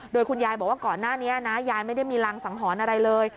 โดยคุณยายบอกว่าก่อนหน้านี้นะยายไม่ได้มีรังสังหรณ์อะไรเลย